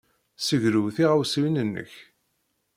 Ssegrew tiɣawsiwin-nnek.